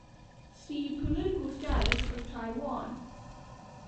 See Political status of Taiwan.